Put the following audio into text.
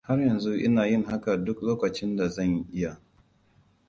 Har yanzu ina yin haka duk lokacin da zan iya.